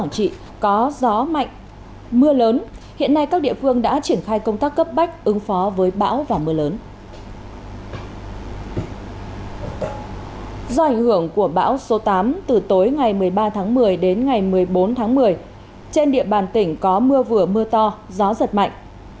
trên địa bàn tỉnh có mưa vừa mưa to gió giật mạnh